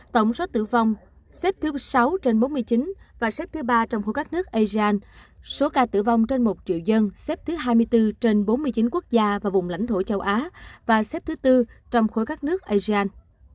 tổng số tử vong xếp thứ sáu trên bốn mươi chín và xếp thứ ba trong khối các nước asean số ca tử vong trên một triệu dân xếp thứ hai mươi bốn trên bốn mươi chín quốc gia và vùng lãnh thổ châu á và xếp thứ tư trong khối các nước asean